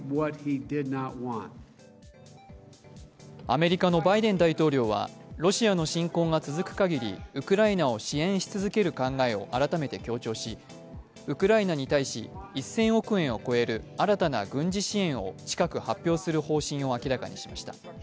アメリカのバイデン大統領は、ロシアの侵攻が続く限りウクライナを支援し続ける考えを改めて強調しウクライナに対し、１０００億円を超える新たな軍事支援を近く発表する方針を明らかにしました。